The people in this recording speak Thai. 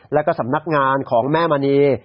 แล้วก็สำนักงานของแม่มณี